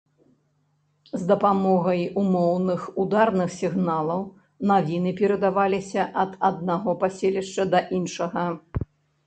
З дапамогай умоўных ударных сігналаў навіны перадаваліся ад аднаго паселішча да іншага.